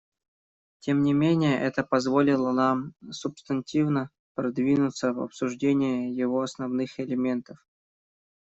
Тем не менее это позволило нам субстантивно продвинуться в обсуждении его основных элементов.